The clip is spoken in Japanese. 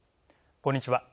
こんにちは。